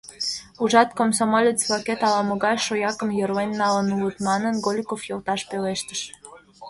— Ужат, комсомолец-влакет ала-могай шоякым йырлен налын улыт, — манын, Голиков йолташ пелештыш.